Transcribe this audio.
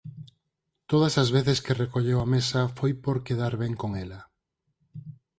Todas as veces que recolleu a mesa foi por quedar ben con ela.